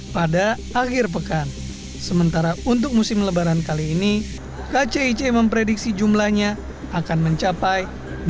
pada akhir pekan sementara untuk musim lebaran kali ini kcic memprediksi jumlahnya akan mencapai